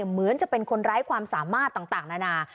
เหมือนจะเป็นคนไร้ความสามารถต่างนานา